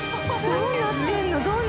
どうなってるの？